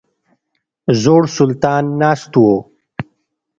زوړ سلطان ناست وو.